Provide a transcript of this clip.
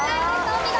お見事！